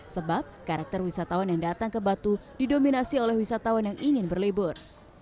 sebab karakter wisatawan yang datang ke batu didominasi oleh wisatawan yang ingin berlibur